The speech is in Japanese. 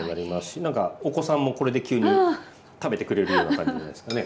なんかお子さんもこれで急に食べてくれるような感じじゃないですかね。